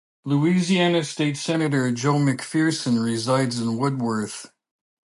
Louisiana State Senator Joe McPherson resides in Woodworth.